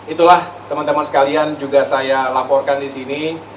itulah teman teman sekalian juga saya laporkan di sini